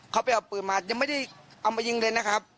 เขาไปเอาปืนมายังไม่ได้เอามายิงเลยนะครับ